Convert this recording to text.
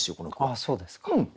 あっそうですか。